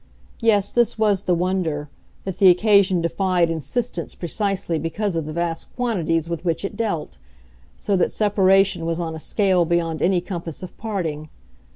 Yes, this was the wonder, that the occasion defied insistence precisely because of the vast quantities with which it dealt so that separation was on a scale beyond any compass of parting.